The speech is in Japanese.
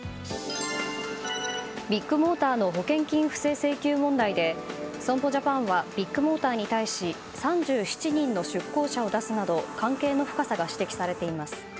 ビッグモーターの保険金不正請求問題で損保ジャパンはビッグモーターに対し３７人の出向者を出すなど関係の深さが指摘されています。